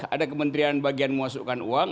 ada kementerian bagian memasukkan uang